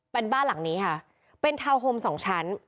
เป็นบ้านหลังนี้ค่ะเป็นทาวน์โฮมสองชั้น